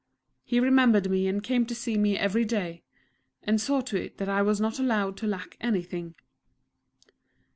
He remembered me and came to see me every day, and saw to it that I was not allowed to lack anything.